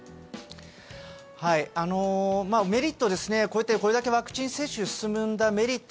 メリット、これだけワクチン接種が進んだメリット